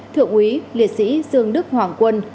thượng úy liệt sĩ dương đức hoàng quân